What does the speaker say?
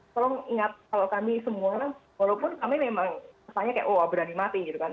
tolong ingat kalau kami semua walaupun kami memang kesannya kayak wah berani mati gitu kan